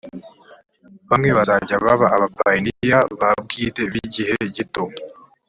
bamwe bazajya baba abapayiniya ba bwite b igihe gito